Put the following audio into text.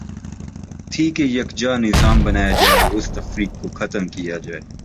تھی کہ یکجا نظا م بنایا جائے اور اس تفریق کو ختم کیا جائے۔